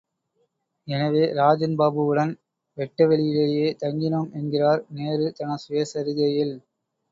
எனவே ராஜன்பாபுவுடன் வெட்ட வெளியிலேயே தங்கினோம் என்கிறார்.நேரு தனது கயசரிதையில்.